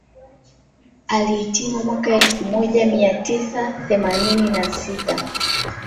Alihitimu mwaka elfu moja mia tisa themanini na sita